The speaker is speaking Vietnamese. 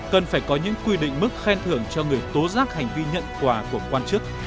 cần phải có những quy định mức khen thưởng cho người tố giác hành vi nhận quà của quan chức